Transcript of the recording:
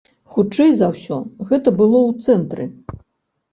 Хутчэй за ўсё, гэта было ў цэнтры.